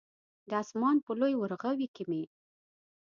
د اسمان په لوی ورغوي کې مې